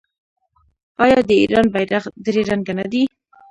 آیا د ایران بیرغ درې رنګه نه دی؟